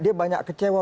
dia banyak kecewa